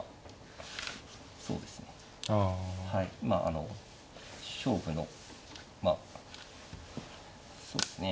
まああの勝負のまあそうですね